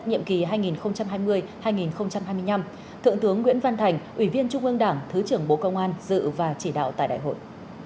nhiệm kỳ hai nghìn hai mươi hai nghìn hai mươi năm thượng tướng nguyễn văn thành ủy viên trung ương đảng thứ trưởng bộ công an dự và chỉ đạo tại đại hội